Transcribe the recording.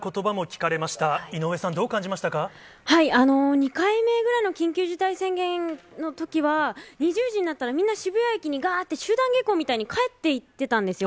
２回目ぐらいの緊急事態宣言のときは、２０時になったらみんな渋谷駅にがーって集団下校みたいに帰っていってたんですよ。